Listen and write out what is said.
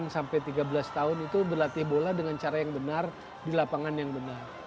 enam sampai tiga belas tahun itu berlatih bola dengan cara yang benar di lapangan yang benar